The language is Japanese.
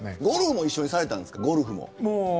ゴルフも一緒にされたんですか。